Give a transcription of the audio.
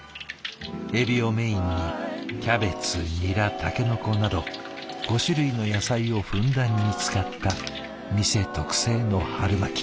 エビをメインにキャベツニラタケノコなど５種類の野菜をふんだんに使った店特製の春巻き。